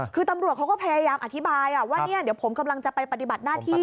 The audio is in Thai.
คือตำรวจเขาก็พยายามอธิบายว่าเนี่ยเดี๋ยวผมกำลังจะไปปฏิบัติหน้าที่